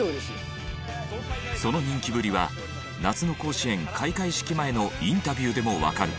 その人気ぶりは夏の甲子園開会式前のインタビューでもわかる。